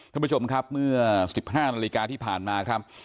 ท่านผู้ชมครับเมื่อ๑๕นาฬิกาที่ผ่านมาครับ